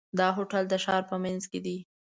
دا هوټل د ښار په منځ کې دی.